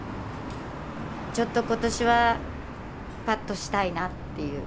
ちょっと今年はパッとしたいなっていう。